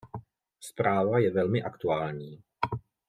Zpráva je velmi aktuální.